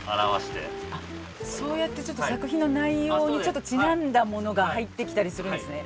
ああそうやってちょっと作品の内容にちょっとちなんだものが入ってきたりするんですね。